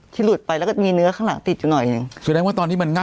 ที่หลุดไปแล้วก็มีเนื้อข้างหลังติดอยู่หน่อยหนึ่ง